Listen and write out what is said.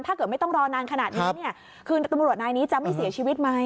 ถ้าเกิดไม่ต้องรอนานขนาดนี้เนี่ยคือตำรวจนายนี้จะไม่เสียชีวิตไหม